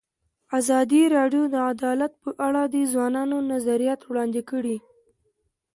ازادي راډیو د عدالت په اړه د ځوانانو نظریات وړاندې کړي.